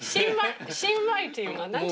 新米っていうの？